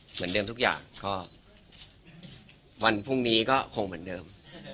เหมือนเดิมทุกอย่างก็วันพรุ่งนี้ก็คงเหมือนเดิม